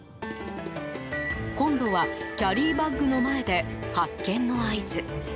今度は、キャリーバッグの前で発見の合図。